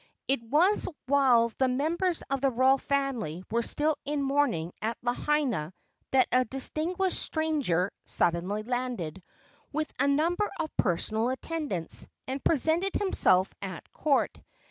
It was while the members of the royal family were still in mourning at Lahaina that a distinguished stranger suddenly landed, with a number of personal attendants, and presented himself at court.